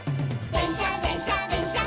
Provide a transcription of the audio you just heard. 「でんしゃでんしゃでんしゃっ